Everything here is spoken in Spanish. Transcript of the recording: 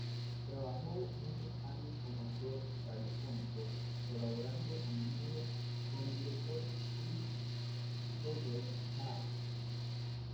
Trabajó muchos años como actor radiofónico, colaborando a menudo con el director Fritz Schröder-Jahn.